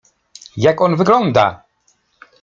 — Jak on wygląda!